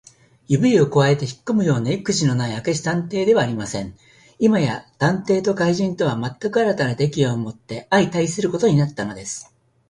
指をくわえてひっこむようないくじのない明智探偵ではありません。今や探偵と怪人とは、まったく新たな敵意をもって相対することになったのです。